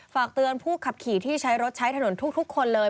ฝากเตือนผู้ขับขี่ที่ใช้รถใช้ถนนทุกคนเลย